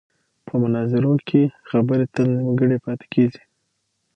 په مناظرو کې خبرې تل نیمګړې پاتې کېږي.